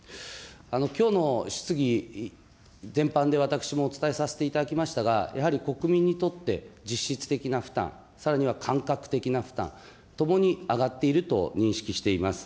きょうの質疑全般で私もお伝えさせていただきましたが、やはり国民にとって、実質的な負担、さらには感覚的な負担、共に上がっていると認識しています。